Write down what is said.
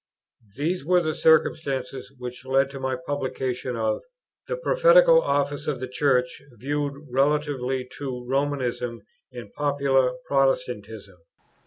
These were the circumstances, which led to my publication of "The Prophetical office of the Church viewed relatively to Romanism and Popular Protestantism."